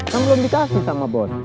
kan belum dikasih sama bos